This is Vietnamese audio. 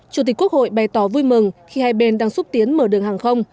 chủ tịch quốc hội bày tỏ vui mừng khi hai bên đang xúc tiến mở đường hàng không